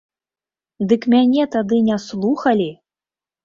Дык мяне тады не слухалі!